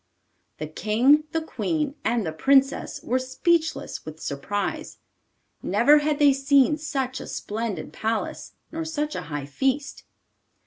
The King, the Queen, and the Princess were speechless with surprise. Never had they seen such a splendid palace, nor such a high feast!